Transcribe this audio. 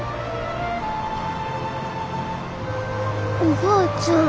おばあちゃん。